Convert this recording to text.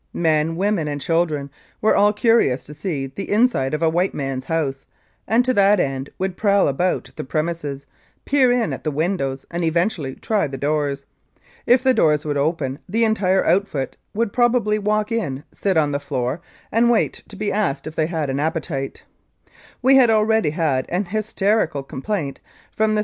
Men, women and children were all curious to see the inside of a white man's house, and to that end would prowl about the premises, peer in at the windows and eventually try the doors. If the doors would open the entire outfit would probably walk in, sit on the floor, and wait to be asked if they had an appetite. We had already had an hysterical complaint from the C.